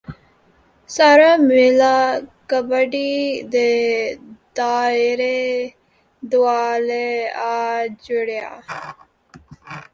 ਸਾਰਾ ਮੇਲਾ ਕਬੱਡੀ ਦੇ ਦਾਇਰੇ ਦੁਆਲੇ ਆ ਜੁੜਿਆ